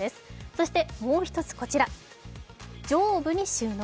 そして、もう一つこちら、上部に収納。